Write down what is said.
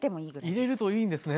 入れるといいんですね。